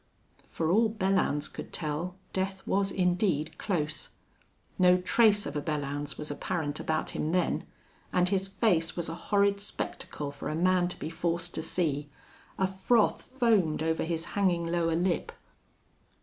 For all Belllounds could tell, death was indeed close. No trace of a Belllounds was apparent about him then, and his face was a horrid spectacle for a man to be forced to see. A froth foamed over his hanging lower lip.